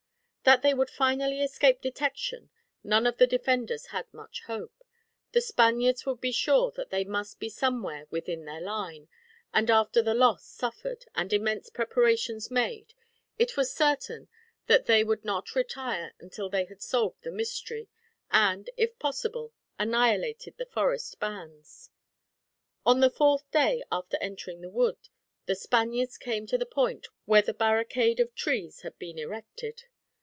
That they would finally escape detection none of the defenders had much hope. The Spaniards would be sure that they must be somewhere within their line; and after the loss suffered, and the immense preparations made, it was certain that they would not retire until they had solved the mystery, and, if possible, annihilated the forest bands. On the fourth day after entering the wood, the Spaniards came to the point where the barricade of trees had been erected.